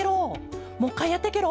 もう１かいやってケロ。